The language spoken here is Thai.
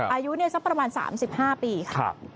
อายุสักประมาณ๓๕ปีค่ะ